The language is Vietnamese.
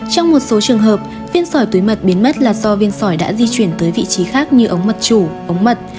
trong một số trường hợp viên sỏi túi mật biến mất là do viên sỏi đã di chuyển tới vị trí khác như ống mật chủ ống mật